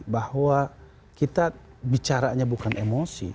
bahwa kita bicaranya bukan emosi